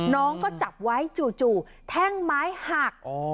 น้องก็จับไว้จู่แท่งไม้หัก